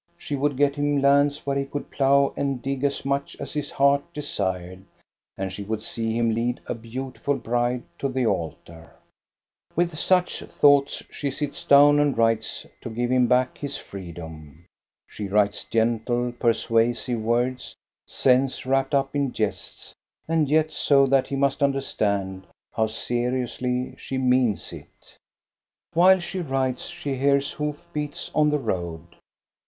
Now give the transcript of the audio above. She would get him lands where he could plough and dig as much as his heart desired, and she would see him lead a beautiful bride to the altar. With such thoughts she sits down and writes to OLD SONGS 365 give him back his freedom. She writes gentle, pur suasive words, sense wrapped up in jests, and yet so that he must understand how seriously she means it. While she writes she hears hoof beats on the road.